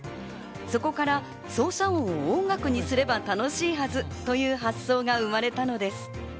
そこから操作音を音楽にすれば楽しいはずという発想が生まれたのです。